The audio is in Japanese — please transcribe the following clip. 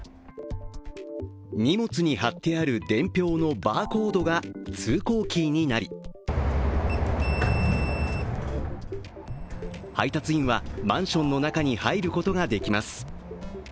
荷物に貼ってある伝票のバーコードが通行キーになり配達員はマンションの中に入ることができます